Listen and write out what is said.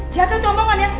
jatuh tuh omongannya